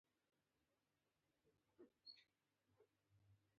له سره تر پایه مې ولوست او شل ځله مې ورته مراجعه کړې ده.